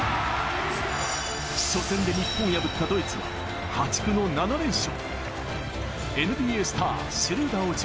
初戦で日本を破ったドイツ、破竹の７連勝。